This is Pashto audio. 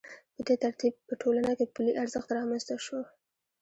په دې ترتیب په ټولنه کې پولي ارزښت رامنځته شو